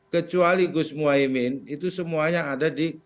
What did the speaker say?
kecuali gus muhaymin itu semuanya ada di